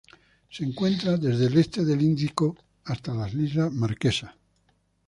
Se encuentra desde el este del Índico hasta las islas Marquesas.